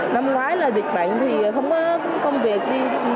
năm ngoái là dịch bệnh thì không có công việc kia